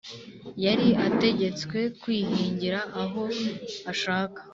yari ategetswe kwihingira aho ashaka .